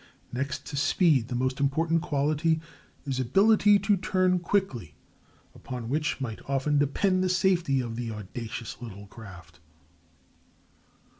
] Next to speed the most important quality is ability to turn quickly, upon which might often depend the safety of the audacious little craft.